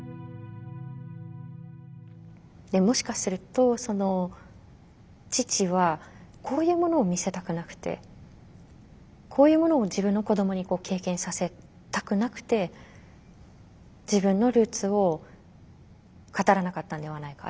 もしかすると父はこういうものを見せたくなくてこういうものを自分の子どもに経験させたくなくて自分のルーツを語らなかったんではないか。